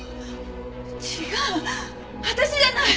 違う私じゃない。